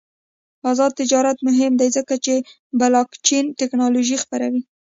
آزاد تجارت مهم دی ځکه چې بلاکچین تکنالوژي خپروي.